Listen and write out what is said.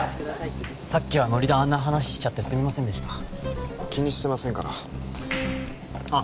さっきはノリであんな話しちゃってすみませんでした気にしてませんからあっ